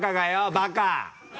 バカ！